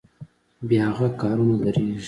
بې هغه کارونه دریږي.